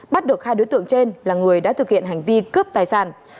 bắt được hai đối tượng trên là người đã thực hiện hành vi cướp tài sản